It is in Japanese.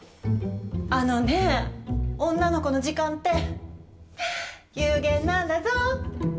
あのね女の子の時間って有限なんだぞ。